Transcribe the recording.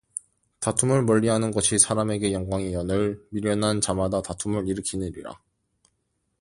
다툼을 멀리 하는 것이 사람에게 영광이어늘 미련한 자마다 다툼을 일으키느니라